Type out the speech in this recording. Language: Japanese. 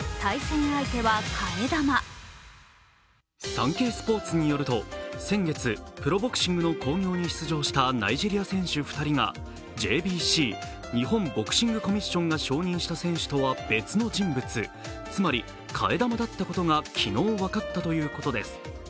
サンケイスポーツによると先月、プロボクシングの興行に出場したナイジェリア選手２人がＪＢＣ＝日本ボクシングコミッションが承認した選手とは別の人物、つまり替え玉だったことが昨日わかったということです。